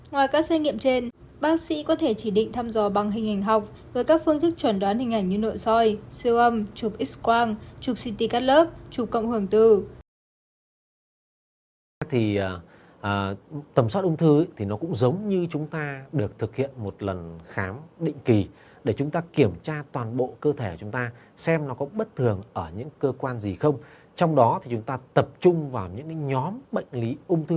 ngoài các xét nghiệm trên bác sĩ có thể chỉ định thăm dò bằng hình hình học với các phương thức chuẩn đoán hình ảnh như nội soi siêu âm chụp x quang chụp ct cắt lớp chụp cộng hưởng tư